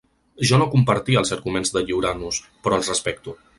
Jo no compartia els arguments de lliurar-nos, però els respecto.